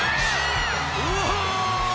うわ！